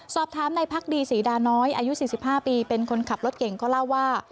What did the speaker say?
สอบถามในพักดีศรีดาน้อยอายุ๔๕ปีเป็นคนขับรถเก่งก็เล่าว่า